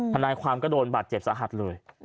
ธนาความก็โดนบัตรเจ็บสะหัสเลย